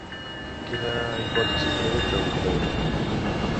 Quina hipòtesi presenta Lindow?